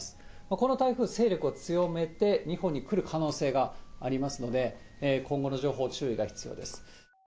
この台風、勢力を強めて日本に来る可能性がありますので、今後の情報、注意が必要です。